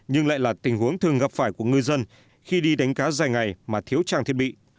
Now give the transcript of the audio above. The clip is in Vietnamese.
nhưng lại là tình huống thường gặp phải của ngư dân khi đi đánh cá dài ngày mà thiếu trang thiết bị